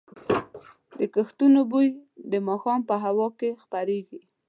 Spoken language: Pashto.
د کښتونو بوی د ماښام په هوا کې خپرېږي.